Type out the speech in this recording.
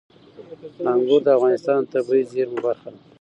انګور د افغانستان د طبیعي زیرمو برخه ده.